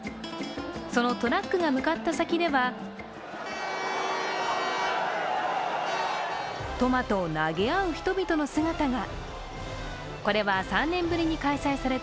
そのトラックが向かった先ではトマトを投げ合う人々の姿が。